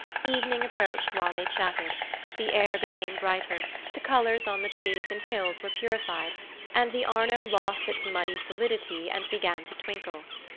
Evening approached while they chatted; the air became brighter; the colours on the trees and hills were purified, and the Arno lost its muddy solidity and began to twinkle.